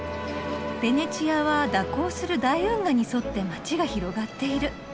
ベネチアは蛇行する大運河に沿って街が広がっている。